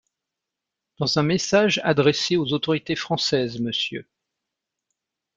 Dans un message adressé aux autorités françaises, Mr.